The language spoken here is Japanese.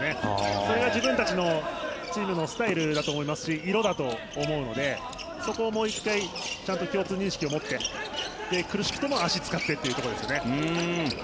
それが自分たちのチームのスタイルだと思いますし色だと思うので、そこをもう１回ちゃんと共通認識を持って苦しくても足を使ってというところですね。